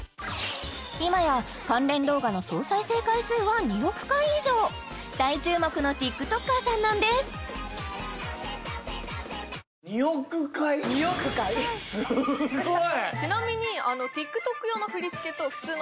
今や関連動画の総再生回数は２億回以上大注目のＴｉｋＴｏｋｅｒさんなんですすごい！